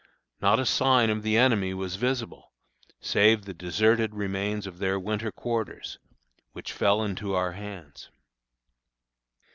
Not a sign of the enemy was visible, save the deserted remains of their winter quarters, which fell into our hands.